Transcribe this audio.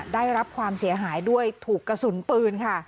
ได้รับความเสียหายด้วยถูกกระสุนปืนค่ะ